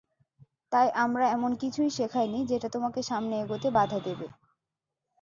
তাই আমরা এমন কিছুই শেখাইনি যেটা তোমাকে সামনে এগোতে বাধা দেবে।